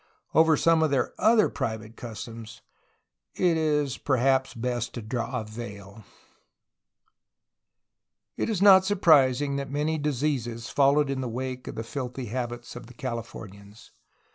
Over some of their other private customs it is perhaps best to draw a veil ! THE INDIANS 17 It is not surprising that many diseases followed in the wake of the filthy habits of the Californians.